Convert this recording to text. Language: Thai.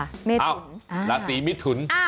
อ้าวราศีเมทุน